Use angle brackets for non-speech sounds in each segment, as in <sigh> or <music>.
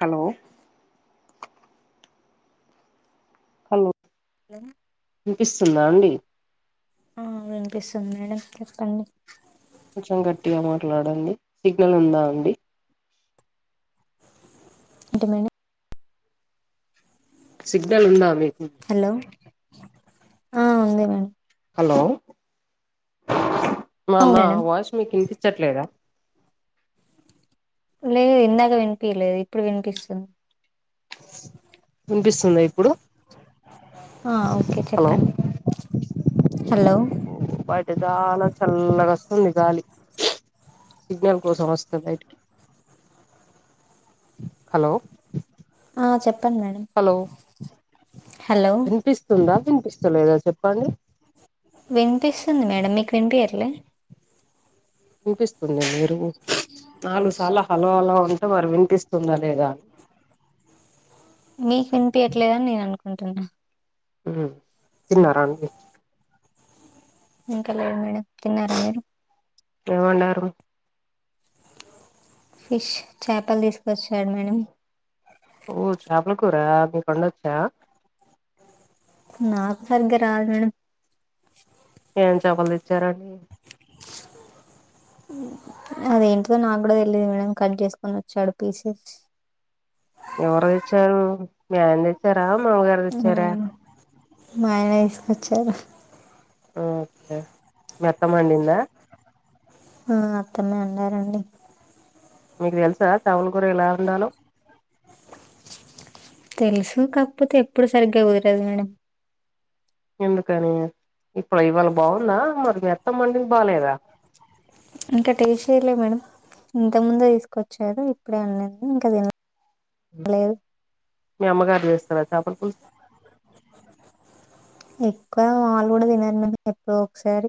Hello hello hello వినిపిస్తుందా అండి ఆ వినిపిస్తుంది మేడం వినిపిస్తుంది కొంచెం గట్టిగా మాట్లాడండి సిగ్నల్ ఉందా అండి ఏంటి మేడం సిగ్నల్ ఉందా మీకు హలో ఆ ఉంది మేడం హలో హలో అవును అన్నా మేడం వాయీస్ మీకు వినిపించట్లేదా లేదు ఇందాక వినిపియలేదు ఇప్పుడు వినిపిస్తుంది వినిపిస్తుందా ఇప్పుడు హ ఓకే హలో చెప్పండి హలో ఎదాల చల్లగా వస్తుంది గాలి సిగ్నల్ కోసం వస్త బయటకి హలో ఆ చెప్పండి మేడమ్ హలో వినిపిస్తుందా వినిపిస్తలేదా చెప్పండి వినిపిస్తుంది మేడం మీకు వినిపియట్లే వినిపిస్తుంది మీరు నాలుగు సార్ల హలో హలో అంటే మరి వినిపిస్తుందా లేదా మీకు వినిపియట్లేదని నేను అనుకుంటున్నా ఉ తిన్నారాండి ఇంకా లేదు మేడం తిన్నారా మీరు ఏం వండారు ఫిష్ చేపలు తీసుకొచ్చాడు మేడం ఓ చేపల కూర మీకు వండొచ్చా నాకు సరిగ్గా రాదు మేడం ఏం చాపలు తెచ్చారండి అదేంటో నాకు కూడా తెలిదు మేడం కట్ చేసుకొని వచ్చాడు పీసెస్ ఎవరు తెచ్చారు మీ ఆయన తెచ్చారా మావగారు తెచ్చారా మా ఆయనే వేసుకొచ్చారు ఓకే మి అత్తంమండిందా ఆ అత్తమే వండారండి మీకు తెలుసా చచపల కూర ఎలా వండలో తెలుసు కాకపోతే ఎప్పుడు సరిగ్గా కుదరదు మేడం ఎందుకని ఇప్పుడు ఇవాళ బాగుందా మరి మిఅత్తమ్మ వండింది బాలేదా ఇంకా టేస్ట్ చేయర్లే మేడం ఇంత ముందే తీసుకొచ్చారు ఇప్పుడే వండింది ఇంకా తినలేదు మీ అమ్మగారు చేస్తారా చేపల పులుసు ఎక్కువ మా వాళ్ళు కూడా తినరు <unintelligible> ఎప్పుడో ఒకసారి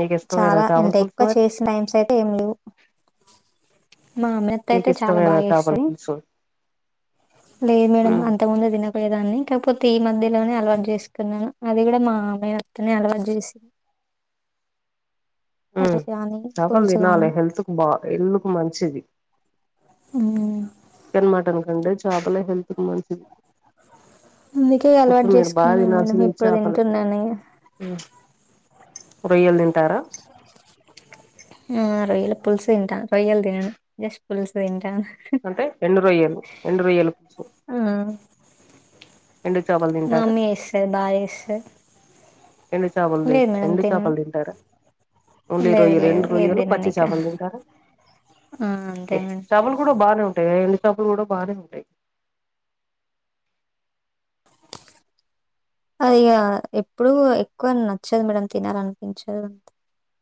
నీకు ఇష్టమేనా చాలా చేపల అంటే పులుసు ఎక్కువ మరి చేసిన టైమ్స్ అయితే ఏం లేవు మామ త్త నీకు అయితే చాలా ఇష్టమేనా బాగ చేపల చేస్తది పులుసు లేదు మేడమ్ ఉమ్ అంత ముందే తినక్ పోయేదాన్ని కాకపోతే ఈ మధ్యలోనే అలవాటు చేసుకున్నాను అది కూడా మా మేనత్తనే అలవాటు చేసి మ్ కానీ చాపలు పులుసు కానీ తినాలి హెల్త్ కు బాగా హెల్ కు మంచిది మ్ చికెన్ మటన్ కంటె చాపలే హెల్త్ కి మంచిది అందుకే ఇప్పుడు అలవాటు మీరు బాగా చేసుకున్నాను మేడం తినాల్సింది ఇప్పుడు చేపలే తింటున్నాను రొయ్యలు తింటారా ఆ రొయ్యల పుల్సు తింట రొయ్యలు దినను జస్ట్ పుల్సు తింట హ అంటే ఎండు రొయ్యలు ఎండు రొయ్యలు పులుసు ఆ ఎండు చేపలు మా తింటారా అమ్మ ఏస్సెది బా ఏస్సె ఎండు చేపలది ఎండు తినను చేపలు తింటార ఓన్లీ లేదు రొయ్యలు లేదు ఎండు ఏది రొయ్యలు తినను పచ్చి ఇక చాపలు తింటారా ఆ అంతే మేడం చెపలు కూడా బానే ఉంటాయి ఎండు చేపలు కూడా బానే ఉంటాయి ఆ ఇగ ఎప్పుడు ఎక్కువ నచ్చదు మేడమ్ తినాలనిపించదు అంతె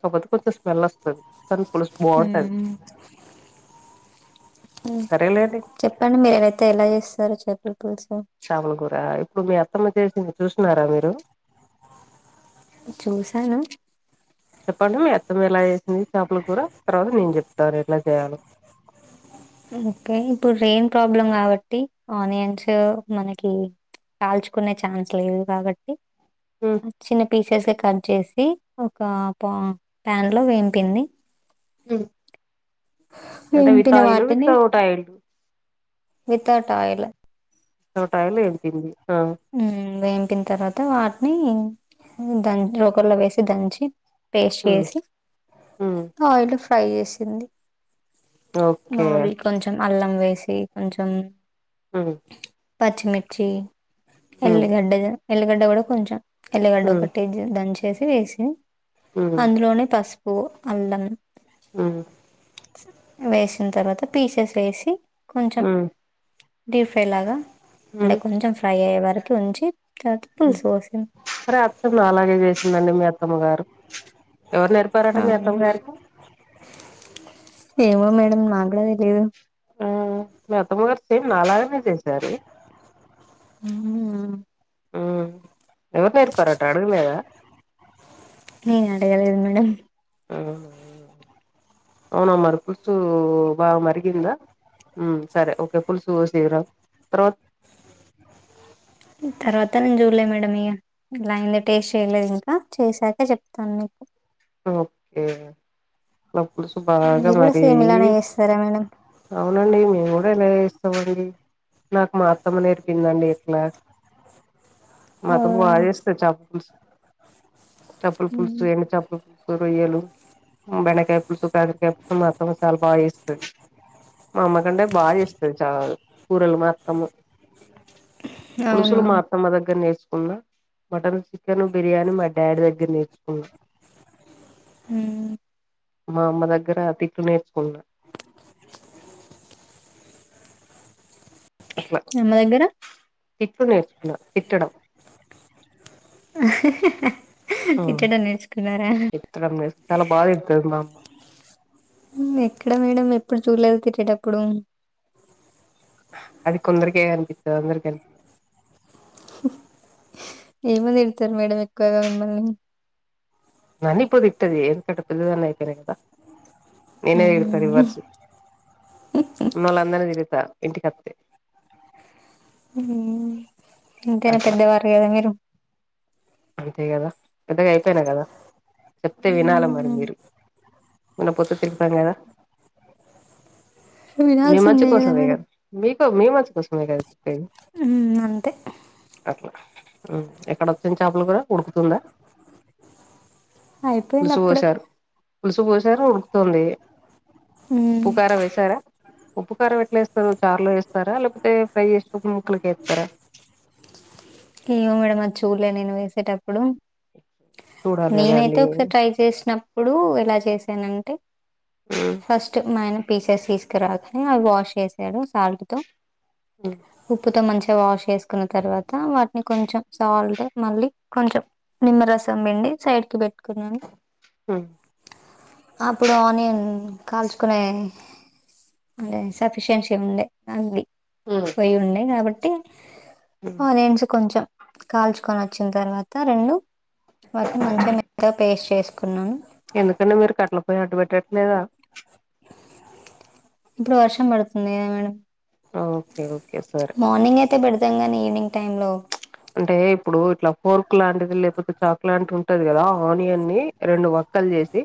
కాపోతే కొంచం స్మెల్ ఒస్తది కానీ పుల్సు బావుంటది మ్మ్ సరే లేండి చెప్పండి మీరైతే ఎలా చేస్తారు చేపల పులుసు చాపాల కూర ఇప్పుడు మీ అత్తమ్మ చేసింది చూసినారా మీరు చూసాను చెప్పండి మీ అత్తం ఎలా చేసింది చేపలు కూడా తర్వాత నేను చెప్తారు ఎట్లా చేయాలో ఓకే ఇప్పుడు రెయిన్ ప్రాబ్లం కాబట్టి ఆనియన్స్ మనకి కాల్చుకునే ఛాన్స్ లేదు కాబట్టి ఉమ్ చిన్న పీసెస్ గా కట్ చేసి ఒక పా ప్యాన్ లో వేంపింది అంటే విత్ వేంపిన ఆయిల్ విత్ వాటిని అవుట్ ఆయిల్ వితౌట్ ఆయ్ లు తోటాయులు ఎనిపింది హా వేంకిన్ తర్వాత వాట్ని దన్ రోకల్లొ వేసి దంచి ఉమ్ పేస్టేసి ఉమ్ ఆయిల్ ఫ్రై జేసింది ఓకే నావి కొంచం అల్లం వేసి కొంచం ఉ పచ్చిమిర్చి ఉమ్ ఎల్లిగడ్డగ ఎల్లిగడ్డ గుడ కొంచం ఎల్లిగడ్డ ఉమ్ ఒకటేజ్ దంచేసి వేసి ఉమ్ అంద్లోనే పసుపు అల్లం ఉహు వేసిన్ తర్వాత పీసెస్ వేసి కొంచం ఉమ్ డీ ఫ్రై లాగా ఉమ్ అండె కొంచం ఫ్రై అయ్యే వరకి ఉంచి తాత పుల్సు వోసిన్ రాత్తమ్ నలాగే జేసిందండి మీ అత్తమ్మ గారు ఎవర్ నేర్ అవునా ఏమో మేడమ్ నాగ్గుడ దెలీదు ఆ మీ అత్తమ్మగారు సేమ్ నాలాగనే జేశారు ఊహు ఊ ఊ ఎవర్ నేర్పారట అడగలేద నేనడగలేదు మేడం అవునా అవ్నా మరి పుల్సూ బాగ మరిగిందా ఊ సరే ఓకే ఫుల్సు వోసిరా తర్వా తర్వాత నేన్ జూల్యా మేడం ఇగా ఇలా వుందొ టేస్ట్ చేయ్ లేదు ఇంకా చేసాక జేప్తాన్ మీకు ఓకే లా పులుసు బాగా మీరు కూడా సేమ్ మరిగీ ఇలానే చేస్తారా మేడం అవునండి మేమ్ గుడ ఇలాగే ఏస్తమండి నాకు మాఅత్తమ్మ నేర్పిందండి ఇట్లా మా అత్తమ్మ బాగ్ చేస్తద్ చాపల్ పుల్స్ చాపల్ పుల్సు ఎండు చాప్ లు పుల్సు రొయ్యలు ఆ బెండకాయ పుల్సు కాకరకాయ పుసు మా అత్తమ్మ చాలా బాగేస్తది మా అమ్మ కంటే బాగ్ జేస్తాది చా కూరలు మా అత్తమ్మ అవునా పులుసులు మాత్ త్తమ్మ దగ్గెర నేర్చుకున్నా మటను చికెను బిర్యానీ మా డాడి దగ్గిర నేర్చుకున్నా హూ మా అమ్మ దగ్గెరా తిట్లు నేర్చుకున్న అట్లా అమ్మ దగ్గర తిట్లు నేర్చుకున్న తిట్టడం తిట్టడం నేర్చుకున్నార ట్టడం నేర్స్ చాలా బాగ దిట్తది మా అమ్మ ఉహు ఎక్కడ మేడం ఎప్పుడు చూల్లేదు తిట్టేటప్పుడు అది కొందరికే గనిపిత్తది అందరికి <unintelligible> ఏమన్ దిడుతార్ మేడమ్ ఎక్కువగా మిమ్మల్ని నన్ని ఇప్పుడు దిట్టది ఏందు కంటే పెద్దదాన్ని అయిపోయాను కదా నేనే దిడుతా మిమ్మల్ని రివర్సు వున్నోళ్ళందర్ని దిరుగుతా ఇంటికొత్తే ఉహూ ఇంతైనా అట్లా పెద్దవారు గదా మిరూ అంతే గదా పెద్దగైపోయాను గదా చెప్తే వినాల మరి మీరు వినపోతే తిడుతాన్ గదా మీ మంచి వినాల్సిందే కదా కోసమే మేడం గదా మీకో మీ మంచి కోసమే గద చొప్పేది ఉమ్ అంతే అట్లా ఉమ్ ఎక్కడ వత్తంది చేపలు కూర ఉడుకుతుందా అయిపోయింది పులుసు అప్పుడే పోశారు పులుసు పోశారు ఉడుకుతుంది ఉప్పు కారం వేసారా ఉప్పు కారం ఎట్లా వేస్తరు చారులో వేస్తారా లేపోతే ప్రై చేసుకోక ముక్కలకి ఎత్తర ఏమో మేడమ్ మరి చూడ్లే నేను వేసేటప్పుడు చూడాలి నేనైతే కదాండి ఒకసారి ట్రై చేసినప్పుడు ఎలా చేసానంటే ఫస్ట్ మా ఆయన పీసెస్ తీసుకురాకనే అవి వాష్ చేసాడు సాల్ట్ తో ఉప్పుతో మంచిగా వాష్ చేసుకున్న తర్వాత వా ఇంకొంచెం సాల్ట్ మళ్ళీ కొంచెం నిమ్మరసం పిండి సైడ్కి పెట్టుకున్నాను మ్ అప్పుడు ఆనియన్ కాల్చుకునే అంటే సఫిషియన్సీ ఉండే అవి మ్ ఇవి ఉండే కాబట్టి ఆ దెల్సు కొంచెం కాల్చుకొని వచ్చిన తర్వాత రెండు వాటిని మంచిగా మెతగా పేస్ట్ చేసుకున్నాను ఎందుకండి మీరు కట్టెల పొయ్య అటు పెట్టట్లేదా ఇప్పుడు వర్షం పడుతుంది కద మేడం ఓకే ఓకే సరే మార్నింగ్ అయితే పెడతాం కానీ ఈవినింగ్ టైంలో అంటే ఇప్పుడు ఇట్లా ఫోర్క్ లాంటిది లేపోతే చాక్ లాంటి ఉంటది కదా ఆనియన్ని రెండు వక్కలు చేసి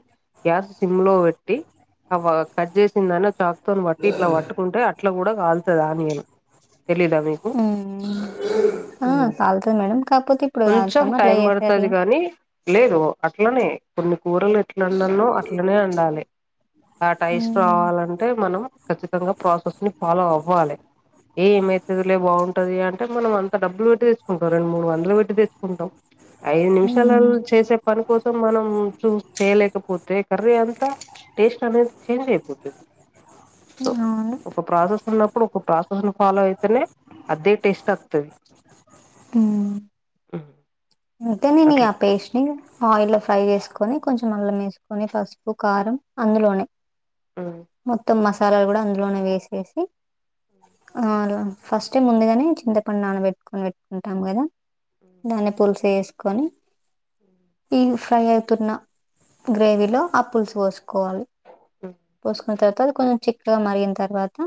గ్యాస్ సిమ్లో పెట్టి అవ కట్ చేసిన దాన్ని చా క్తోని పట్టి ఇట్ట పట్టుకుంటే అట్ల కూడా కాలుతాది ఆనీయను తెలీదా మీకు ఆ హ్మ్ కాలుతది మేడం కాపోతే ఇప్పుడు కొంచెం కాద్ద అట్లా టైం ఎసేర్లే పడుతది గాని లేదు అట్లనే కొన్ని కూరలు ఎట్లా వండాల్నో అట్లనే వండాలి ఆ టైస్ట్ రావాలంటే మనం ఖచ్చితంగా ప్రాసెస్ని ఫాలో అవ్వాలే ఏమైతదిలే బావుంటది అంటే మనం అంత డబ్బులు తెచ్కుంటాం రెండు మూడు వందలు పెట్టి తెచ్చుకుంటాం ఐదు నిమిషాలల్ చేసే పని కోసం మనం చూ చేయలేకపోతే కర్రీ అంతా టేస్ట్ అనేది చేంజ్ అయిపోతది అవును ఒ ప్రాసెస్ ఉన్నప్పుడు ఒక ప్రాసెస్ను ఫాలో అయితేనే అదే టేస్ట్ వత్తది మ్ మ్ ఇంతే నేని ఆ పేస్ట్ని ఆయిల్లో ఫ్రై చేసుకొని కొంచెం అల్లం వేసుకొని పసుపు కారం అందులోనే మ్ మొత్తం మసాలాలు కూడా అందులోనే వేసేసి ఆ హలో ఫస్ట్ టైం ముందుగానే చింతపండు నాన్న పెట్టుకొని పెట్టుకుంటాము కదా మ్ అన్ని పులుసు ఎసుకొని ఈ ఫ్రై ట్టున్న గ్రేవీ లో ఆ పులుసు పోసుకోవాలి పోసుకున్న తర్వాత కొంచెం చి క్కగ మరిగిన తర్వాత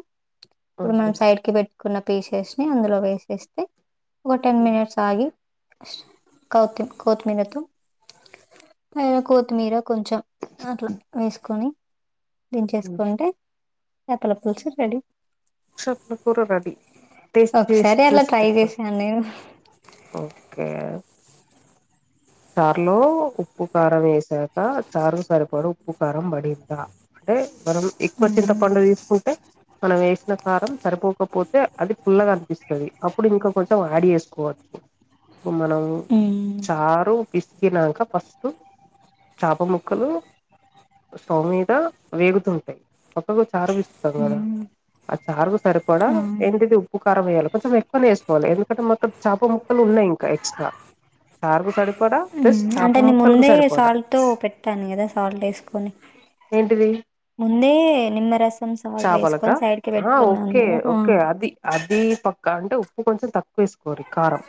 ఇప్పుడు మనం సైడ్కి పెట్ పటుకొన్న పీసెస్ ని అందులో వేసేస్తే ఒక టెన్ మినిట్స్ ఆగి కోతి కోతిమీరతో పైన కోతిమీర కొంచెం అట్లా వేసుకొని దంచేసుకుంటే చాపల పులుసు రెడీ చాపల కూర రెడిీ టేస్ట్ చేసి ఒకసారి అలా చూసి ట్రై చెప్పలి చేశాను నేను. ఓకే చారులో ఉప్పు కారం వేసాక చారు కు సరిపడ ఉప్పు కారం పడిందా అంటే మనం ఎక్కువ చింత హ్మ్. పండు తీసుకుంటే మనం వేసిన కారం సరిపోకపోతే అది ఫుల్ల గా అనిపిస్తది అప్పుడు ఇంకా కొంచెం యాడ్ చేసుకోవచ్చు మనం హ్మ్. చార్ చారు పిసికినాక ఫస్ట్ చాప ముక్కలు స్టౌవ్ మీద వేగుతుంటాయి పక్కగా చారు పిసుకుతాం కదా హ్మ్. ఆ చారుకు సరి పడా ఆ! ఏంటిది ఉప్పుకారం వేయ్యాలి కొంచెం ఎక్కువనే వేసుకోవాలి ఎందుకంటే మొత్తం చాప ముక్కలు ఉన్నాయి ఇంకా ఎక్స్ట్రా చారుకు సరిపడా ప్లస్ చాప అంటే నే ముక్కలకు ముందే సరిపడా సాల్ట్ తో పెట్టాను కదా సాల్ట్ వేసుకొని ఏంటిది ముందే నిమ్మరసం సాల్ట్ వేసుకొని చాపలకా సైడ్ కి పెట్టుకున్నాం కదా అదీ పక్కా అంటే ఉప్పు కొంచెం తక్కువ వేసుకోవాలి కారం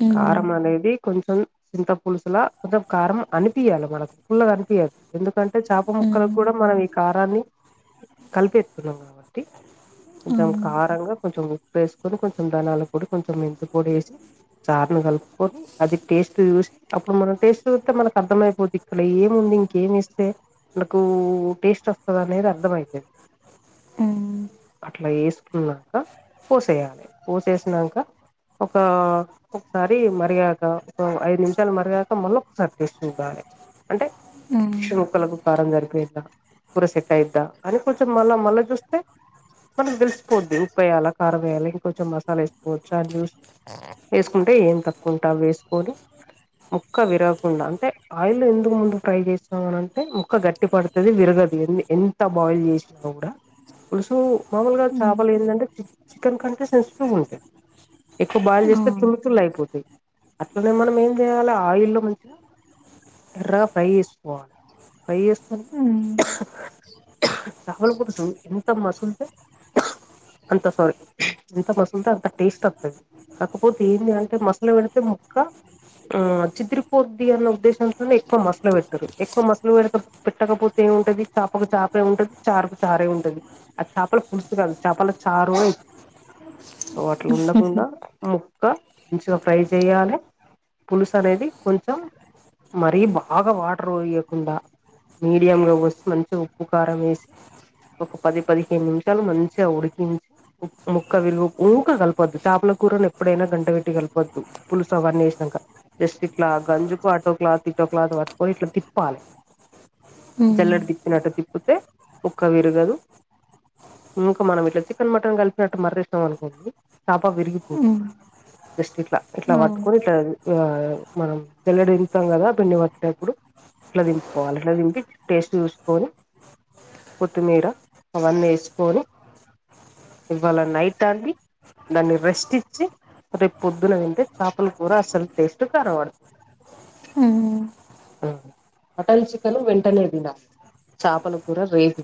హ్మ్. కారం అనేది కొంచెం చింత పులుసులా కొంచెం కారం అనిపియాలి మనకు ఫుల్లగా అనిపియద్దు ఎందుకంటే చాప ముక్కలకు హ్మ్. కూడా మనం ఈ కారాన్ని కలిపేస్తున్నాం కాబట్టి కొంచం హ్మ్. కారంగా కొంచం ఉప్పు ఉప్పు వేసుకొని కొంచెం ధనియల పొడి కొంచెం మెంతు పొడి వేసి చారును కలుపుకొని అది టేస్ట్ చూసి అప్పుడు మనం టేస్ట్ చూస్తే మనకు అర్థమయిపోద్ది ఇక్కడ ఏముంది ఇంకేమి ఇస్తే నాకూ టేస్ట్ వస్తది అనేది అర్థమయితది హ్మ్. అట్లా ఏస్తే ఉన్నంక పోసేయాలి పోసేసినంక ఒక ఒకసారి మరియాగ్ ఒక ఐదు నిమిషాలు మరిగాక మళ్ళీ ఒక సారి టేస్ట్ చూడాలి అంటే హ్మ్. ఫిష్ ముక్కలకు కారం సరిపోయిదా కూర సెట్ అయిదా అని కొంచెం మళ్ళా మళ్ళా చూస్తే మనకి తెలిసిపోద్ది ఉప్పు వేయాలి కారం వేయాల ఇంకొంచెం మసాలా వేసుకోవచ్చు అని చూసి వేసుకుంటే ఏం తక్కువుంటే అవేసుకొని ముక్క విరగకుండా అంటే ఆయిల్ లో ఎందుకు ముందు ఫ్రై చేసినామనంటే ముక్క గట్టిపడుతు అది విరగదు ఎ ఎంత బాయిల్ చేసినా కూడా పులుసూ మాములుగా హ్మ్. చాపలు ఎందంటే చిక్ చికెన్ కంటే సెన్సిటివ్గా ఉంటాయి. ఎక్కువ బాయిల్ ఆ! చేస్తే తుల్లు తుల్లు అయిపోతాయి అట్లానే మనం ఏం చేయాలి ఆయిల్లో మంచిగా ఎర్ర ఫ్రై చేసుకోవాలి ఫ్రై చేసుకోని హ్మ్. చాపల పులుసు ఎంత మసులితే అంతే సారీ ఎంత మసులుతే అంత టేస్ట్ ఒత్తది కాకపోతే ఎందంటే మసులుతే ఇలా పెడితే మొక్క ఆ చిదిరుపోద్ది అన్న ఉద్దేశంతోనే ఎక్కువ మసలుపెట్టరు ఎక్కువమసలు పెడితే పెట్టకపోతే ఏముంటది చాపకు చాపే ఉంటది. చారుకు చారే ఉంటది. అది చాపల పులుసు కాదు చాపల చారు అయి సో అట్లా ఉండకుండా ఆ ముక్క ఇగా ఫ్రై చేయాలి పులుసు అనేది కొంచెం మరీ బాగా వాటర్ పొయ్యకుండా మీడియంగా పోసి, మంచిగా ఉప్పు కారం వేసి ఒక పది పదిహేను నిమిషాలు మంచిగా ఉడికించి ముక్క విరుగు ఊక కలపొద్దు, చాపల కూరను ఎప్పుడైనా గంటె పెట్టి ట్టి కలపొద్దు పులుసు అవన్నీ ఏసినంక జస్ట్ ఇట్లా గంజుకు అటోక్లాత్ ఇటోక్లాత్ పట్టుకోని ఇట్లా తిప్పాలి. హ్మ్. జల్లెడ తిప్పినట్టు తిప్పుతే ముక్క విరగదు ఇంకా మనం ఇట్లా చికెన్, మటన్ కలిపినట్టు మర్రేసినం అనుకోండి చేప విరిగిపోద్ది. హ్మ్. జస్ట్ ఇట్లా ఇట్లా ఆ! పట్టుకొని ఇట్లా మనం జల్లెడు దింపుతాం కదా పిండి పట్టేప్పుడు. ఇట్లా దింపుకోవాలి, ఇట్లా దింపి టేస్ట్ చూసుకొని కొత్తిమీర అవన్నీ ఏసుకొని ఇవాళ నైటాంది, దాన్ని రెస్ట్ ఇచ్చి రేపు పొద్దున తింటే చేపలుకూర అసలు టేస్ట్ కానబడు హుమ్ మటన్, చికెన్ వెంటనే తినాలి. చేపల కూర రేపు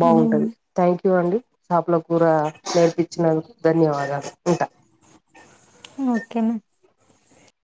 బాగుంటది. హ్మ్. థ్యాంక్ యూ అండి, చేపలకూర నేర్పించినందుకు ధన్యవాదాలు. ఉంటా ఓకే నా